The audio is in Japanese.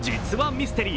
ミステリー